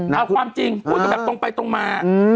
อรับความจริงถูกตรงไปตรงมา